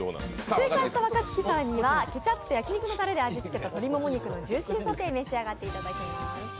正解した若槻さんにはケチャップと焼き肉のたれで味つけした鶏もも肉のジューシーソテーを召し上がっていただきます。